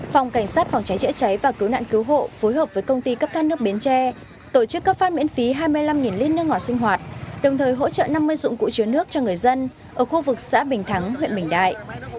phòng cảnh sát phòng cháy chữa cháy và cứu nạn cứu hộ phối hợp với công ty cấp can nước bến tre tổ chức cấp phát miễn phí hai mươi năm lít nước ngọt sinh hoạt đồng thời hỗ trợ năm mươi dụng cụ chứa nước cho người dân ở khu vực xã bình thắng huyện bình đại